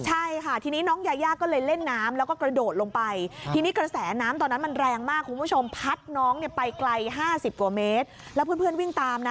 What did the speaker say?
ใช่ค่าทีนี้น้องยายาก็เลยเล่นน้ำแล้วก็กระโดดลงไป